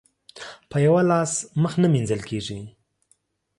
په يوه لاس مخ نه مينځل کېږي.